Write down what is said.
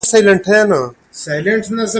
اوړه د ماشوم لاسونه سپینوي